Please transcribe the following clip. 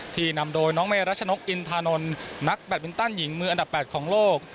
นำโดยน้องเมรัชนกอินทานนท์นักแบตมินตันหญิงมืออันดับ๘ของโลก